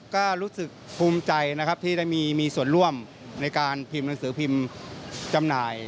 ก็รู้สึกภูมิใจนะครับที่ได้มีส่วนร่วมในการพิมพ์หนังสือพิมพ์จำหน่าย